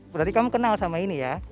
berarti kamu kenal sama ini ya